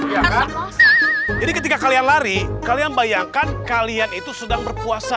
jadi ketika kalian lari kalian bayangkan kalian itu sedang berpuasa